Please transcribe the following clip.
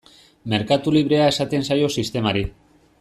Merkatu librea esaten zaio sistemari.